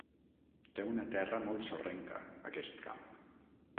Té una terra molt sorrenca, aquest camp.